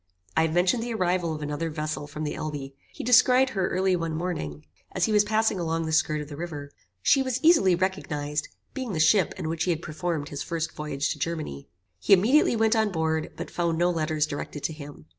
I have mentioned the arrival of another vessel from the Elbe. He descried her early one morning as he was passing along the skirt of the river. She was easily recognized, being the ship in which he had performed his first voyage to Germany. He immediately went on board, but found no letters directed to him.